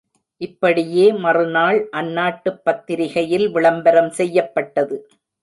இப்படியே மறுநாள் அந்நாட்டுப் பத்திரிகையில் விளம்பரம் செய்யப்பட்டது.